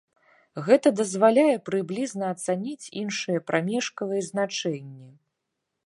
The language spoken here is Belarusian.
Гэта дазваляе прыблізна ацаніць іншыя прамежкавыя значэнні.